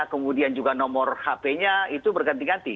kemudian juga nomor hp nya itu berganti ganti